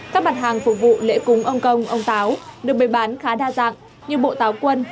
các mặt hàng phục vụ lễ cúng ông công ông táo được bày bán khá đa dạng như bộ táo quân